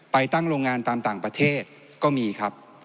ไปตั้งโรงงานตามต่างประเทศก็มีครับ